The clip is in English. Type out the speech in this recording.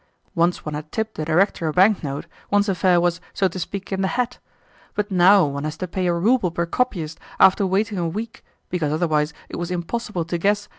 Once one had tipped the Director a bank note, one's affair was, so to speak, in the hat. But now one has to pay a rouble per copyist after waiting a week because otherwise it was impossible to guess how the wind might set!